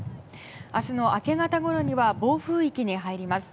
明日の明け方ごろには暴風域に入ります。